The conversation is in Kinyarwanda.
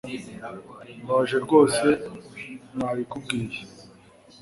mbabajwe rwose nabikubwiye